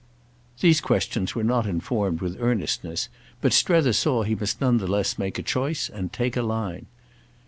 These questions were not informed with earnestness, but Strether saw he must none the less make a choice and take a line.